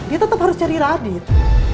dia tetap harus cari radit